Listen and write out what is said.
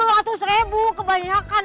ini itu seribu kebanyakan